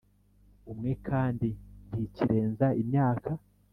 umwe kandi ntikirenza imyaka